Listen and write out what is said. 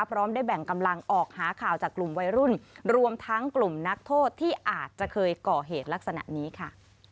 พร้อมได้แบ่งกำลังออกหาข่าวจากกลุ่มวัยรุ่นรวมทั้งกลุ่มนักโทษที่อาจจะเคยก่อเหตุลักษณะนี้ค่ะ